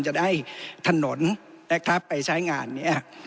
จะได้ถนนไปใช้งาน